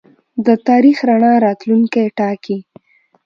د تاریخ رڼا راتلونکی ټاکي.